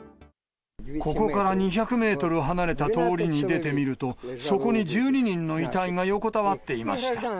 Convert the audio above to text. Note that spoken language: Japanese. ここから２００メートル離れた通りに出てみると、そこに１２人の遺体が横たわっていました。